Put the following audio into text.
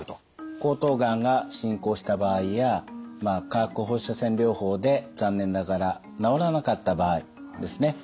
喉頭がんが進行した場合や化学放射線療法で残念ながら治らなかった場合ですね